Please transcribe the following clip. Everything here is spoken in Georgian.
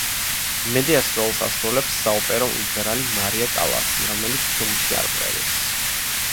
მედეას როლს ასრულებს საოპერო მომღერალი მარია კალასი, რომელიც ფილმში არ მღერის.